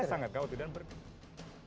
saya sangat khawatir dan berpikir